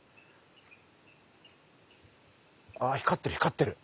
あ光ってる光ってる。